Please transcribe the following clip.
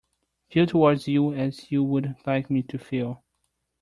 Feel towards you as you would like me to feel.